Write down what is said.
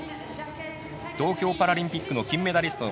東京パラリンピックの金メダリスト